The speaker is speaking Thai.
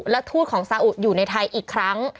และทูตของซาอุอยู่ในไทยอีกครั้ง